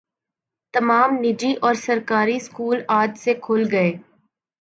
تمام نجی اور سرکاری اسکول آج سے کھل گئے